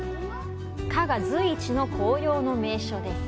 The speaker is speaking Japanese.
加賀随一の紅葉の名所です。